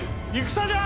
戦じゃ！